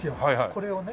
これをね。